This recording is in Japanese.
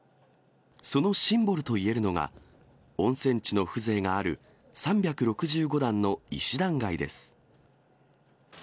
そのシンボルと言えるのが、温泉地の風情がある、３６５段の石段街です。